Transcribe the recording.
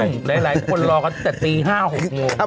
มีหลายคนรอกันแต่ตี๕๖โนมัติ